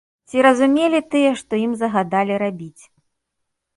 Ці разумелі тыя, што ім загадалі рабіць?